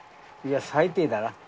いや、最低だな。